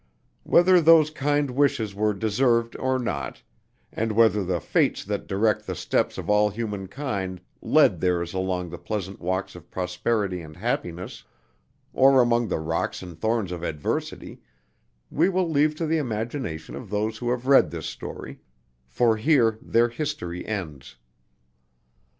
Whether those kind wishes were deserved or not, and whether the Fates that direct the steps of all human kind led theirs along the pleasant walks of prosperity and happiness, or among the rocks and thorns of adversity, we will leave to the imagination of those who have read this story, for here their history ends.